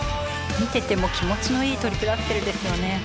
見てても気持ちのいいトリプルアクセルですよね。